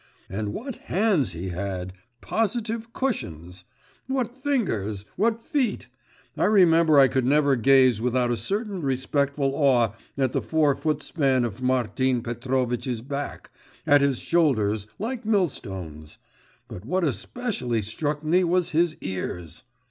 And what hands he had positive cushions! What fingers, what feet! I remember I could never gaze without a certain respectful awe at the four foot span of Martin Petrovitch's back, at his shoulders, like millstones. But what especially struck me was his ears!